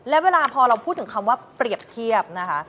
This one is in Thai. และเวลาพอเราพูดถึงคำว่าเปรียบเทียบนะคะ